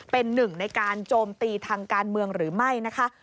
เป็นหนึ่งในการโจมตีทางการเมืองหรือไม่นะคะ